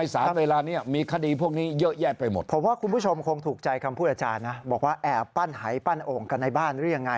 สะท้อนปัญหาในเมืองกรุง